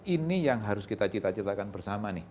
ini yang harus kita cita citakan bersama nih